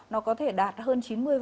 nó có thể đạt hơn chín mươi